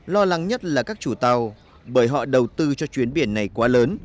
lo lắng nhất là các chủ tàu bởi họ đầu tư cho chuyến biển này quá lớn